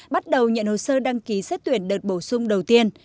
bắt đầu nhận hồ sơ đăng ký xét tuyển đợt bổ sung đầu tiên